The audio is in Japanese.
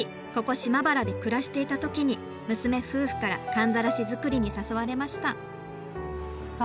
島原で暮らしていた時に娘夫婦からかんざらし作りに誘われました。